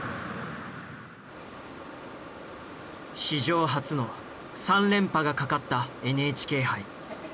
史上初の３連覇がかかったＮＨＫ杯。